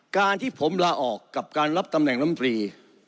การที่ผมลาออกกับการรับตำแหน่งลำตรี